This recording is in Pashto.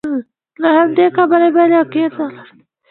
له همدې کبله یې بیه له واقعي ارزښت لوړه ده